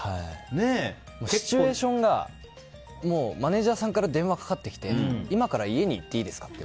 シチュエーションがマネジャーさんから電話かかってきて今から家に行っていいですか？